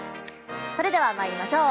それでは参りましょう。